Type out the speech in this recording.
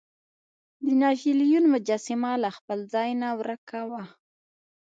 د ناپلیون مجسمه له خپل ځای نه ورک وه.